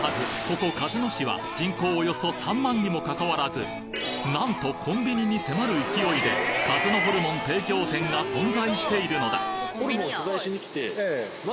ここ鹿角市は人口およそ３万にもかかわらずなんとコンビニに迫る勢いで鹿角ホルモン提供店が存在しているのだあ